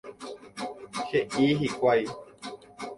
He'i hikuái.